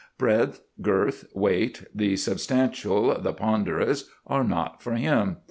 Breadth, girth, weight, the substantial, the ponderous, are not for him.